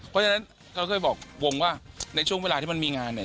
เพราะฉะนั้นเขาเคยบอกวงว่าในช่วงเวลาที่มันมีงานเนี่ย